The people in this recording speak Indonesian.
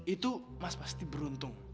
itu mas pasti beruntung